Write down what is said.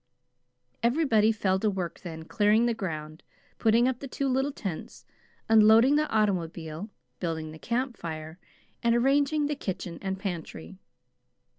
Everybody fell to work then, clearing the ground, putting up the two little tents, unloading the automobile, building the camp fire, and arranging the "kitchen and pantry."